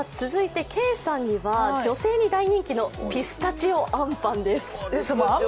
続いてケイさんには女性に大人気のピスタチオあんぱんです。